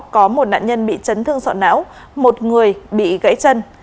có một nạn nhân bị chấn thương sọ não một người bị gãy chân